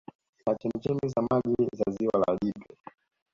Ina chemchemi za maji za Ziwa la Jipe